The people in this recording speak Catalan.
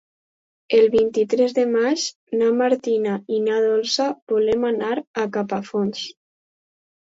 El vint-i-tres de maig na Martina i na Dolça volen anar a Capafonts.